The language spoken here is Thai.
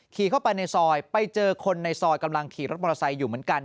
ขี่เข้าไปในซอยไปเจอคนในซอยกำลังขี่รถมอเตอร์ไซค์อยู่เหมือนกัน